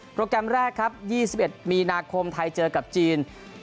แกรมแรกครับ๒๑มีนาคมไทยเจอกับจีน